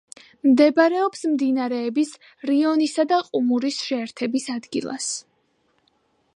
მდებარეობს მდინარეების რიონისა და ყუმურის შეერთების ადგილას.